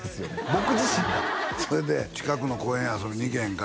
僕自身がそれで「近くの公園遊びに行けへんか？」